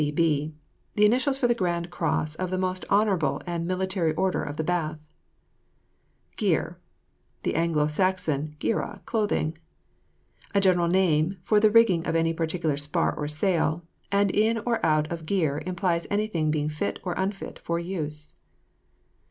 G.C.B. The initials for Grand Cross of the most honourable and Military Order of the Bath. GEAR [the Anglo Saxon geara, clothing]. A general name for the rigging of any particular spar or sail; and in or out of gear implies anything being fit or unfit for use.